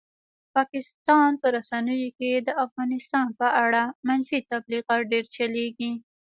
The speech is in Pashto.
پاکستان په رسنیو کې د افغانستان په اړه منفي تبلیغات ډېر چلېږي.